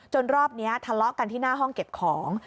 รอบนี้ทะเลาะกันที่หน้าห้องเก็บของ